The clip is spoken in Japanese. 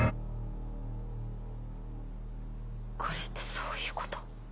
これってそういうこと？